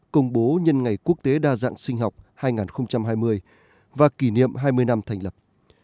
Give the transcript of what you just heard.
công bố nhân ngày quốc tế đa dạng sinh học hai nghìn hai mươi và kỷ niệm hai mươi năm thành lập